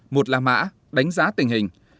một là mã đánh giá tình hình